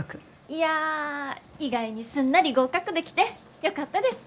いや意外にすんなり合格できてよかったです。